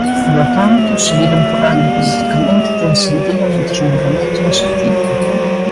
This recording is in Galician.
Polo tanto, seguir empurrando politicamente ten sentido mentres non remate o exercicio.